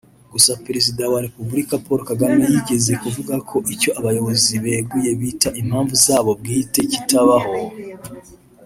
Gusa Perezida wa Repubulika Paul Kagame yigeze kuvuga ko icyo abayobozi beguye bita impamvu zabo bwite kitabaho